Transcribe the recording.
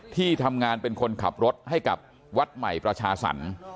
ที่ทำงานเป็นคนขับรถให้กับวัดใหม่ประชาสรรค์